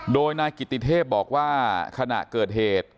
โดยนายกิติเทพบอกว่าขณะเกิดเหตุ